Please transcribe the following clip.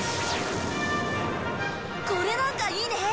これなんかいいね！